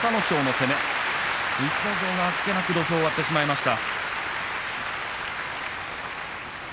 逸ノ城があっけなく土俵を割りました。